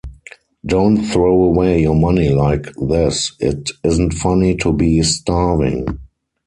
Don't throw away your money like this. It isn't funny to be starving.